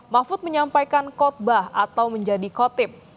mahfud menyampaikan khutbah atau menjadi kotip